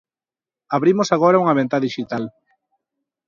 Abrimos agora unha ventá dixital.